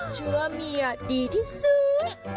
เชื่อเมียดีที่ซื้อ